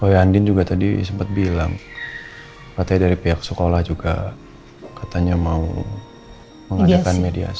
pak yandin juga tadi sempat bilang katanya dari pihak sekolah juga katanya mau mengadakan mediasi